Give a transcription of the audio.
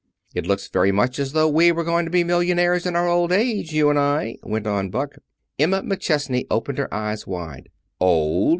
"It looks very much as though we were going to be millionaires in our old age, you and I?" went on Buck. Emma McChesney opened her eyes wide. "Old!"